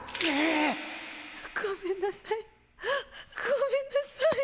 ごめんなさいごめんなさいぃぃ！